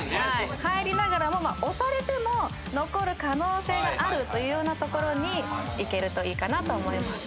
入りながらも押されても残る可能性のあるというようなところにいけるといいかなと思います。